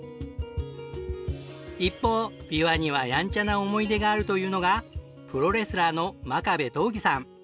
一方ビワにはやんちゃな思い出があるというのがプロレスラーの真壁刀義さん。